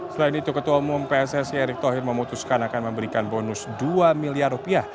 selain itu ketua umum pssi erick thohir memutuskan akan memberikan bonus dua miliar rupiah